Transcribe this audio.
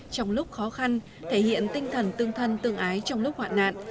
trong lúc khó khăn thể hiện tinh thần tương thân tương ái trong lúc hoạn nạn